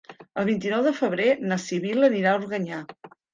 El vint-i-nou de febrer na Sibil·la anirà a Organyà.